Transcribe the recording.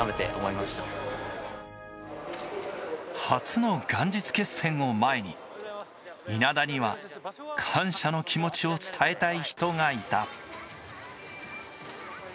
初の元日決戦を前に稲田には感謝の気持ちを伝えたい人がいた。